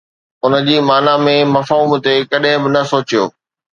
ان جي معنيٰ ۽ مفهوم تي ڪڏهن به نه سوچيو